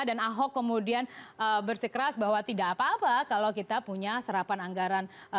dan ahok kemudian bersikeras bahwa tidak apa apa kalau kita punya serapan anggaran